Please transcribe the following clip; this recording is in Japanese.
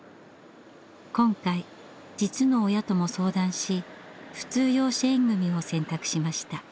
今回実の親とも相談し普通養子縁組を選択しました。